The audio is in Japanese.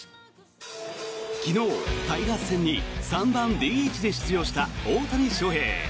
昨日、タイガース戦に３番ＤＨで出場した大谷翔平。